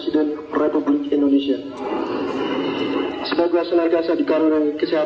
dan juga hari ini saya berbangga untuk dikawal oleh anda semua